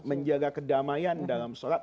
menjaga kedamaian dalam shalat